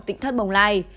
tỉnh thất bồng lai